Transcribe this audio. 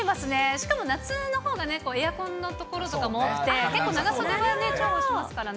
しかも夏のほうがね、エアコンの所とかも多くて、結構長袖は重宝しますよね。